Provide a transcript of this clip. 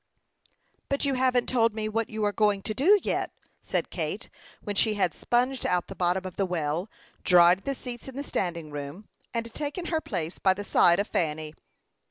"But you haven't told me what you are going to do yet," said Kate, when she had sponged out the bottom of the well, dried the seats in the standing room, and taken her place by the side of Fanny.